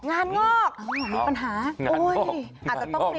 งานงอกเออมีปัญหาโอ๊ยอาจจะต้องเตรียมตัวงานงอกยังไง